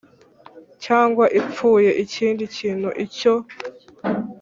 Cyangwa ipfuye ikindi kintu icyo